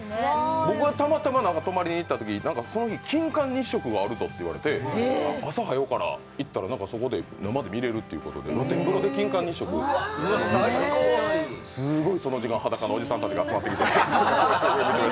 僕はたまたま泊まりにいったときその日金環日食があるぞということで朝早ようから行ったらそこで生で見られるということで露天風呂で金環日食を見て、すごいその時間、裸のおじさんたちが集まってきて。